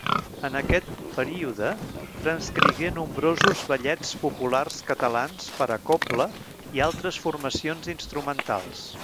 En aquest període transcrigué nombrosos ballets populars catalans per a cobla i altres formacions instrumentals.